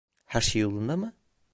Her şey yolunda mı?